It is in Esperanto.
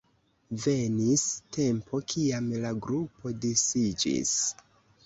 Venis tempo kiam la grupo disiĝis.